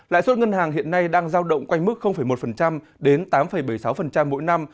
lãi suất ngân hàng hiện nay đang giao động quanh mức một đến tám bảy mươi sáu mỗi năm